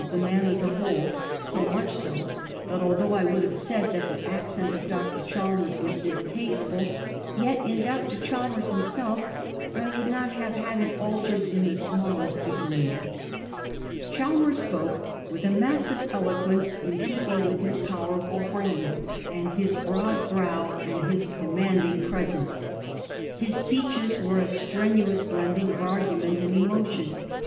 221 the man as a whole, so much so,, that although I would have said that the accent of Dr. Chalmers was distasteful, yet in Dr. Chalmers himself I would not have had it altered in the smallest degree/ Chalmers spoke with a massive eloquence in keeping with his powerful frame and his broad brow and his com manding presence. His speeches were a strenuous blending of argument and emotion.